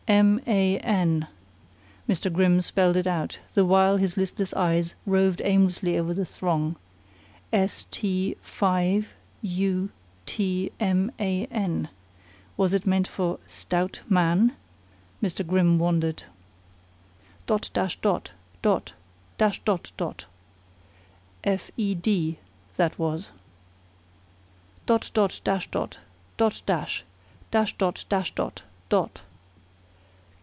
"M a n," Mr. Grimm spelled it out, the while his listless eyes roved aimlessly over the throng. "S t 5 u t m a n!" Was it meant for "stout man?" Mr. Grimm wondered. "Dot dash dot! Dot! Dash dot dot!" "F e d," that was. "Dot dot dash dot! Dot dash! Dash dot dash dot! Dot!"